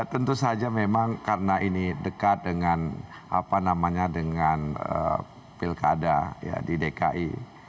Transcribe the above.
tentu saja memang karena ini dekat dengan pilkada di dki